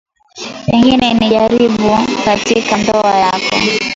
Pengine ni jaribu katika ndoa yako.